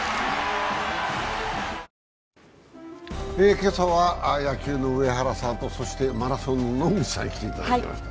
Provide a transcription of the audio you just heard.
今朝は野球の上原さんとマラソン、野口さん来ていただきました。